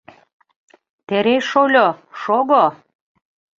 Терей шольо, шого!